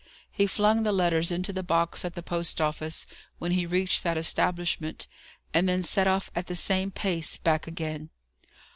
He flung the letters into the box at the post office, when he reached that establishment, and then set off at the same pace back again.